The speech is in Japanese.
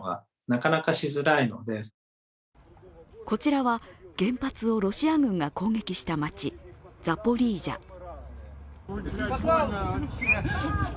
こちらは、原発をロシア軍が攻撃した町、ザポリージャ。